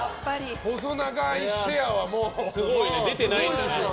細長いシェアはもうすごいですよ。